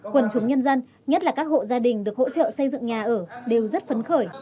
quần chúng nhân dân nhất là các hộ gia đình được hỗ trợ xây dựng nhà ở đều rất phấn khởi